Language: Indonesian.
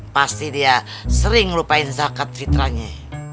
pasti dia sering ngelupain zakat fitranya